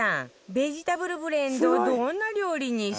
ベジタブルブレンドをどんな料理にしてる？